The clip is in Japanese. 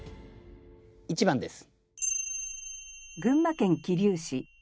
１番です。